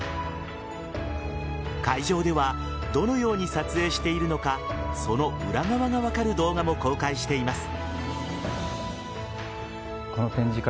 会場ではどのように撮影しているのかその裏側が分かる動画も公開しています。